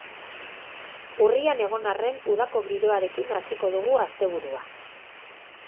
Urrian egon arren, udako giroarekin hasiko dugu asteburua.